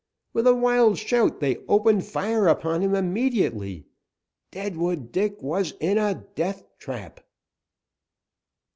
With a wild shout, they opened fire upon him immediately. Deadwood Dick was in a death trap.